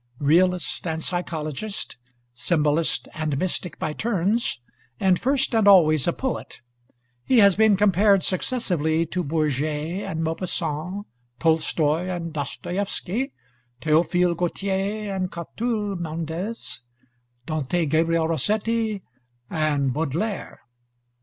Realist and psychologist, symbolist and mystic by turns, and first and always a poet, he has been compared successively to Bourget and Maupassant, Tolstoi and Dostoïevsky, Théophile Gautier and Catulle Mendès, Dante Gabriel Rossetti and Baudelaire.